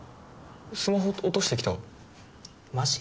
スマホ落としてきたマジ？